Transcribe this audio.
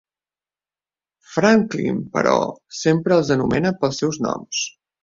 Franklin, però, sempre els anomena pel seus noms.